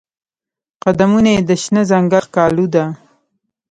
قدمونه یې د شنه ځنګل ښکالو ده